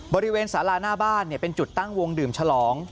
บริเวณสาราหน้าบ้านเป็นจุดตั้งวงดื่มฉลอง